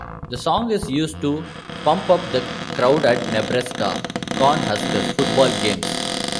The song is used to pump up the crowd at Nebraska Cornhuskers football games.